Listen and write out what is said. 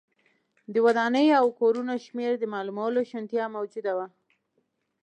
د ودانیو او کورونو شمېر د معلومولو شونتیا موجوده وه.